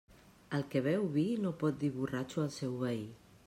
El que beu vi no pot dir borratxo al seu veí.